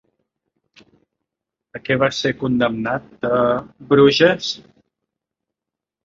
A què va ser condemnat a Bruges?